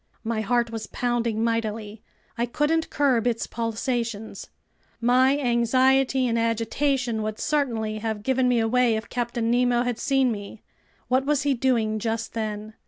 My heart was pounding mightily. I couldn't curb its pulsations. My anxiety and agitation would certainly have given me away if Captain Nemo had seen me. What was he doing just then?